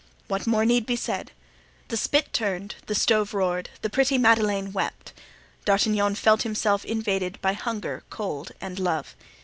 What more need be said? The spit turned, the stove roared, the pretty Madeleine wept; D'Artagnan felt himself invaded by hunger, cold and love.